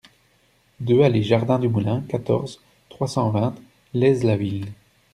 deux allée Jardin du Moulin, quatorze, trois cent vingt, Laize-la-Ville